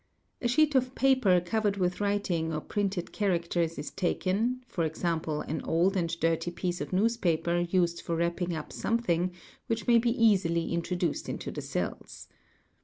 A sheet of paper covered with writing or printed characters is taken, e.g.,an old and dirty piece of newspaper used for wrapping up something, .] which may be easily introduced into the cells.